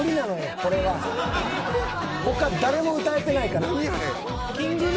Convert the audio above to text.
他誰も歌えてないから。